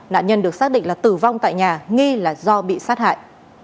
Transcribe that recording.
nạn nhân được xác định là tử vong tại nhà nghi là do bị sát hại